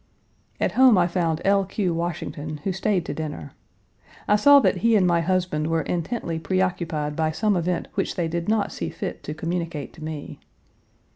At home I found L. Q. Washington, who stayed to dinner. I saw that he and my husband were intently preoccupied by some event which they did not see fit to communicate to me.